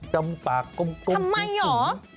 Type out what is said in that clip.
จำปากกลมทำไมเหรอ